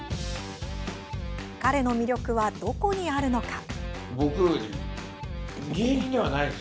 彼の魅力はどこにあるのか？